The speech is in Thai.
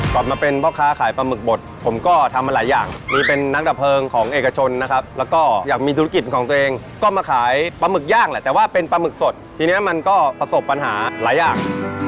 มาเป็นพ่อค้าขายปลาหมึกบดผมก็ทำมาหลายอย่างนี่เป็นนักดับเพลิงของเอกชนนะครับแล้วก็อยากมีธุรกิจของตัวเองก็มาขายปลาหมึกย่างแหละแต่ว่าเป็นปลาหมึกสดทีนี้มันก็ประสบปัญหาหลายอย่าง